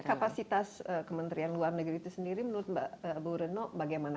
kapasitas kementerian luar negeri itu sendiri menurut mbak bu reno bagaimana